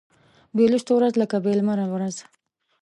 بې لوستلو ورځ لکه بې لمره ورځ